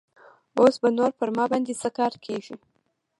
اوس به نور پر ما باندې څه کار کيږي.